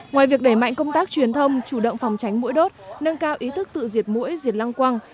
ngoài việc đẩy mạnh công tác truyền thông chủ động phòng tránh mũi đốt nâng cao ý thức tự diệt mũi diệt lăng quăng